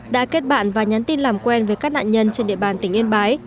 đã kết bạn và nhắn tin làm quen với các nạn nhân trên địa bàn tỉnh yên bái